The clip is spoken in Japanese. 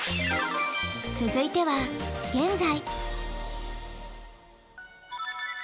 続いては現在。